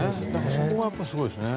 そこがすごいですね。